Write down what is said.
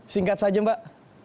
singkat saja mbak